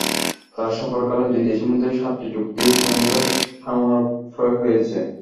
তাঁর সফরকালে দুই দেশের মধ্যে সাতটি চুক্তি ও সমঝোতা স্মারক সই হয়েছে।